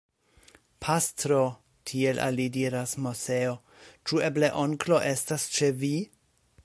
Pastro, tiel al li diras Moseo, ĉu eble onklo estas ĉe vi?